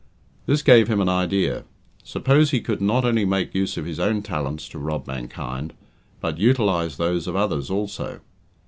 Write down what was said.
This gave him an idea. Suppose he could not only make use of his own talents to rob mankind, but utilize those of others also?